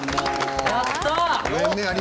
やった！